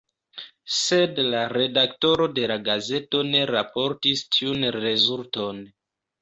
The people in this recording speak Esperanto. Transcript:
Sed la redaktoro de la gazeto ne raportis tiun rezulton.